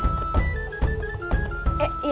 pulsa yang sepuluh ribuan deh